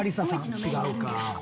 違うか。